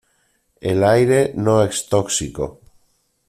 El aire no es tóxico.